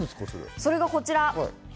それがこちら。